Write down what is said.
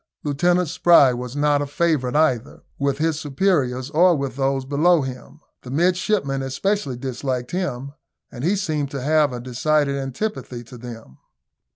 Lieutenant Spry was not a favourite either with his superiors or with those below him. The midshipmen especially disliked him, and he seemed to have a decided antipathy to them.